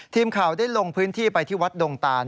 ทีมข่าวได้ลงพื้นที่ไปที่วัดดงตาน